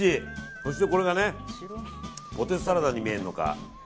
そして、ポテトサラダに見えるのか。